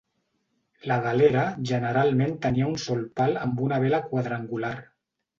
La galera generalment tenia un sol pal amb una vela quadrangular.